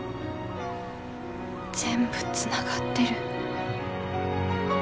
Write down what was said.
全部つながってる。